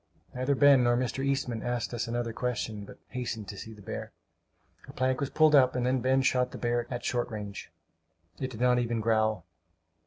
Neither Ben nor Mr. Eastman asked us another question, but hastened to see the bear. A plank was pulled up, and then Ben shot the beast at short range. It did not even growl.